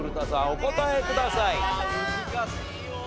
お答えください。